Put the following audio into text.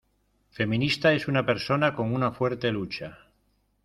Feminista es una persona con una fuerte lucha.